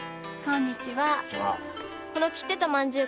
こんにちは。